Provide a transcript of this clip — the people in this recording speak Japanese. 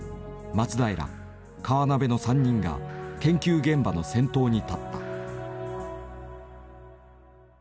松平河辺の３人が研究現場の先頭に立った。